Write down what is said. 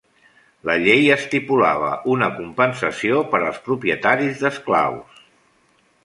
La llei estipulava una compensació per als propietaris d'esclaus.